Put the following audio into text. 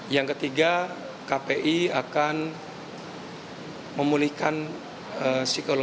yang ketiga kpi akan memulihkan karyawan yang disebut pelecehan seksual